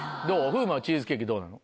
風磨はチーズケーキどうなの？